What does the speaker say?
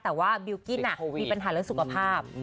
แต่ว่าบิลกิ้นมีปัญหาเรื่องสุขภาพ